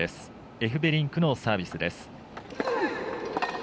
エフベリンクのサービスです。